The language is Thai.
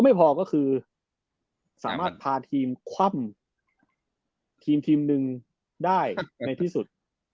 ไม่พอก็คือสามารถพาทีมคร่ำ๑ทีมได้ไหนที่สุด